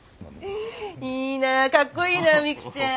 いいなかっこいいな未来ちゃん。